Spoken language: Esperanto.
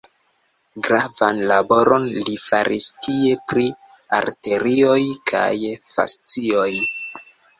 Gravan laboron li faris tie pri arterioj kaj fascioj.